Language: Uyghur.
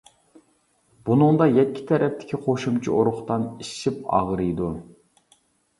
بۇنىڭدا يەككە تەرەپتىكى قوشۇمچە ئۇرۇقدان ئىششىپ ئاغرىيدۇ.